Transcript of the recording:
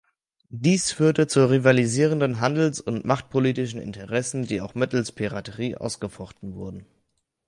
Dies führte zu rivalisierenden Handels- und machtpolitischen Interessen, die auch mittels Piraterie ausgefochten wurden.